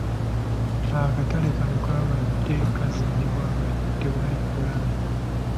Akatale kano kabadde kaazimbibwa nga tewali pulaani.